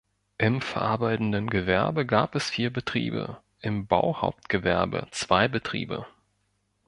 Im verarbeitenden Gewerbe gab es vier Betriebe, im Bauhauptgewerbe zwei Betriebe.